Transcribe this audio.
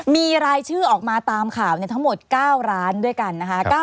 มีรายชื่อออกมาตามข่าวทั้งหมด๙ร้านด้วยกันนะคะ